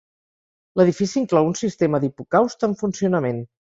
L'edifici inclou un sistema d'hipocaust en funcionament.